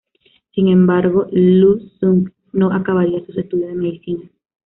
Sin embargo, Lu Xun no acabaría sus estudios de medicina.